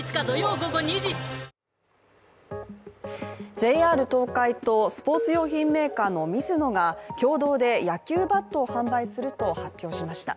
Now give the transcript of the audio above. ＪＲ東海とスポーツ用品メーカーのミズノが、共同で野球バットを販売すると発表しました。